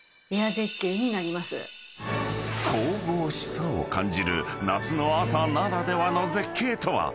［神々しさを感じる夏の朝ならではの絶景とは？］